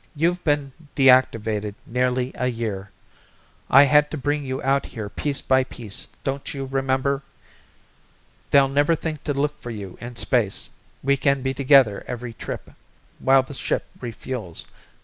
You've been deactivated nearly a year. I had to bring you out here piece by piece, don't you remember? They'll never think to look for you in space, we can be together every trip while the ship refuels.